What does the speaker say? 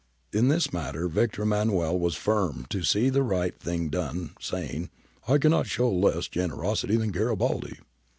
In this matter Victor Emmanuel was firm to see the right thing done, saying, ' I cannot show less generosity than Garibaldi